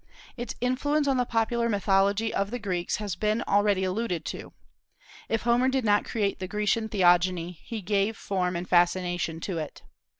Its influence on the popular mythology of the Greeks has been already alluded to. If Homer did not create the Grecian theogony, he gave form and fascination to it.